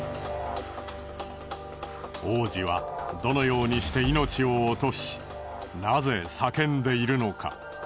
王子はどのようにして命を落としなぜ叫んでいるのか？